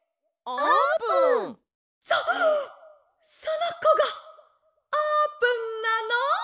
「そそのこがあーぷんなの！？